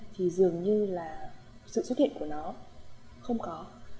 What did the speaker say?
thì dường như là sự xuất hiện của nó không có